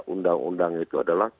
undang undang itu adalah